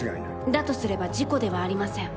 だとすれば事故ではありません。